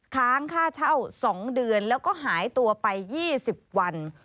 ค้างค่าเช่า๒เดือนแล้วก็หายตัวไป๒๐วัน